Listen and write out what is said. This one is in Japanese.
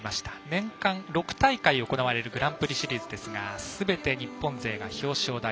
年間６大会行われるグランプリシリーズですがすべて日本勢が表彰台。